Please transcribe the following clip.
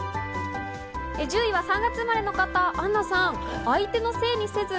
１０位は３月生まれの方、土屋さん。